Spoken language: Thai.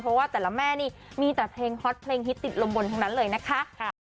เพราะว่าแต่ละแม่นี่มีแต่เพลงฮอตเพลงฮิตติดลมบนทั้งนั้นเลยนะคะ